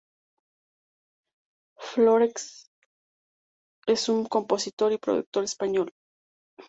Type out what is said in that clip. Flórez", es un compositor y productor español.